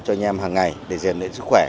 cho anh em hàng ngày để giềng luyện sức khỏe